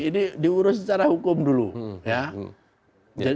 ini diurus secara hukum dulu ya